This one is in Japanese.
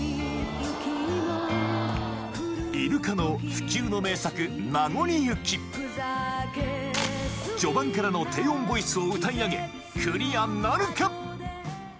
不朽の名作序盤からの低音ボイスを歌い上げクリアなるか？